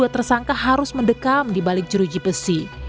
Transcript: dua tersangka harus mendekam di balik jeruji besi